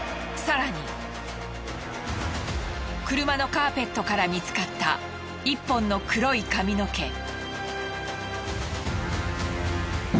車のカーペットから見つかった１本の黒い髪の毛。